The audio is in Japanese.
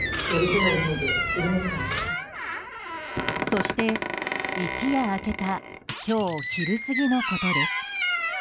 そして、一夜明けた今日昼過ぎのことです。